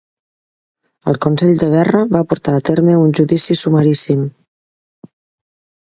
El Consell de Guerra va portar a terme un judici sumaríssim.